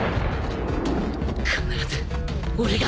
必ず俺が！